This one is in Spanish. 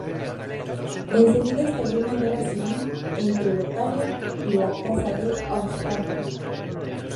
Enseguida estalló una guerra civil entre Lotario y la casa de Hohenstaufen.